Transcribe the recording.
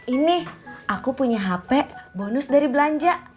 ini aku punya hp bonus dari belanja